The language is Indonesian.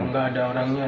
nggak ada orangnya